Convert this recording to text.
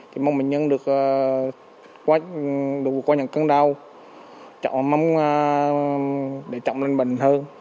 chỉ mong bệnh nhân được qua những cơn đau chọn mắm để chậm lên bệnh hơn